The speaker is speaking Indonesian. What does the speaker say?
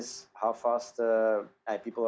seberapa cepat orang